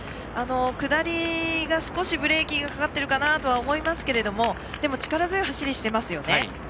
下りが少しブレーキがかかっているかなと思いますがでも、力強い走りをしていますね。